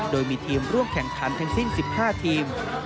โดยมีทีมร่วมแข่งขันทั้งสิ้น๑๕ทีม